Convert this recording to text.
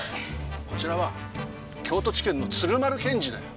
こちらは京都地検の鶴丸検事だよ。